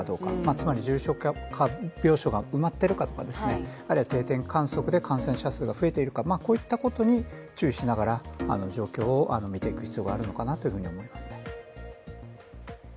つまり重症化要素がつまっているかとかあるいは定点観測で感染者数が増えているかこういったことに注視しながら状況を見ていく必要があるのかなと思います。